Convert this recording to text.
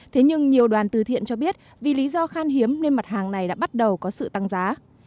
thế nhưng nhiều đoàn từ thiện cho biết vì lý do khan hiếm nên mặt hàng này đã bắt đầu có sự tăng giá